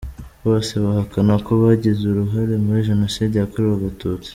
Bose bahakana ko bagize uruhare muri Jenoside yakorewe Abatutsi.